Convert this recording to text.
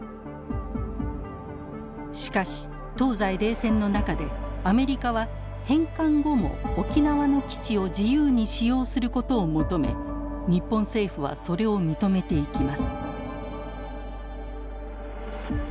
しかし東西冷戦の中でアメリカは返還後も沖縄の基地を自由に使用することを求め日本政府はそれを認めていきます。